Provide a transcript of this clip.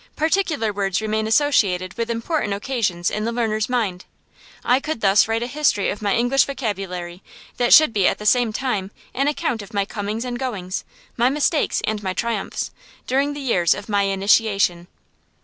Particular words remain associated with important occasions in the learner's mind. I could thus write a history of my English vocabulary that should be at the same time an account of my comings and goings, my mistakes and my triumphs, during the years of my initiation.